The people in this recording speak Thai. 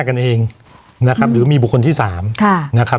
วันนี้แม่ช่วยเงินมากกว่า